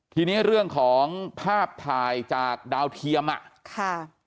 ทีนี้เรื่องของภาพถ่ายจากดาวเทียมอ่ะค่ะ